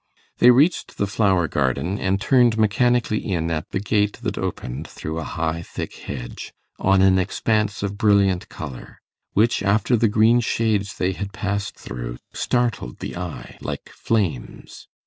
They reached the flower garden, and turned mechanically in at the gate that opened, through a high thick hedge, on an expanse of brilliant colour, which, after the green shades they had passed through, startled the eye like flames.